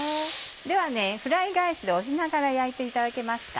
ではフライ返しで押しながら焼いていただけますか。